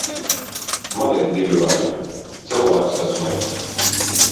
Man ir divi varianti. Cilvēks esmu es.